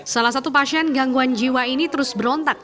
salah satu pasien gangguan jiwa ini terus berontak